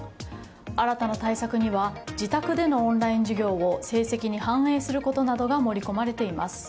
新たな対策には自宅でのオンライン授業を成績に反映することなどが盛り込まれています。